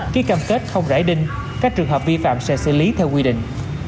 ký cam kết không rải đinh các trường hợp vi phạm sẽ xử lý theo quy định